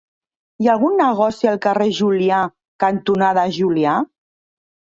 Hi ha algun negoci al carrer Julià cantonada Julià?